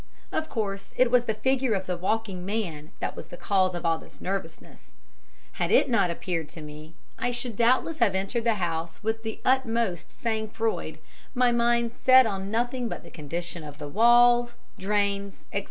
Of course, it was the figure of the walking man that was the cause of all this nervousness; had it not appeared to me I should doubtless have entered the house with the utmost sang froid, my mind set on nothing but the condition of the walls, drains, etc.